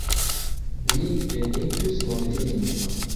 Li devintus mortigi nin.